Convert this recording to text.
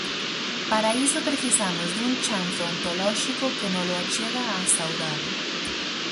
Para iso precisamos dun chanzo ontolóxico que nolo achega a saudade.